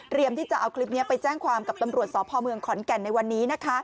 ที่จะเอาคลิปนี้ไปแจ้งความกับตำรวจสพเมืองขอนแก่นในวันนี้